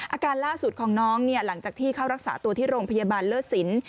อาการล่าสุดของน้องเนี่ยหลังจากที่เข้ารักษาตัวที่โรงพยาบาลเลิศสิน